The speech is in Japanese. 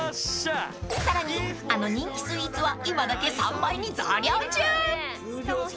［さらにあの人気スイーツは今だけ３倍に増量中］